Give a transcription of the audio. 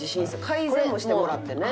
改善もしてもらってね。